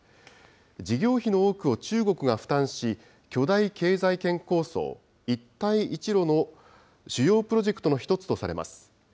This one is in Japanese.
事業費の多くを中国が負担し、巨大経済圏構想、一帯一路の主要プロジェクトの１つとされます。